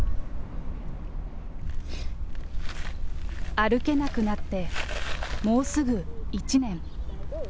歩けなくなってもうすぐ１年。